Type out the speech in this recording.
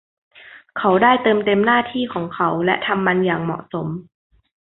เขาได้เติมเต็มหน้าที่ของเขาและทำมันอย่างเหมาะสม